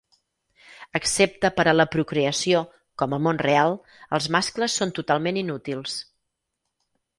Excepte per a la procreació, com al món real, els mascles són totalment inútils.